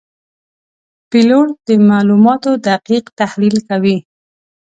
پیلوټ د معلوماتو دقیق تحلیل کوي.